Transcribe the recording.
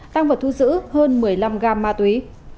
tăng vật thu giữ hơn một mươi năm gam ma túy